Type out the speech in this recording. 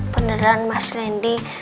beneran mas randy